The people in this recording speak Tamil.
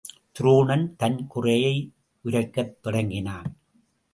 துரோணனும் தன் குறையை உரைக்கத் தொடங்னான்.